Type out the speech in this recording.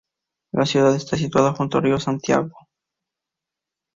La ciudad está situada junto al río Santiago.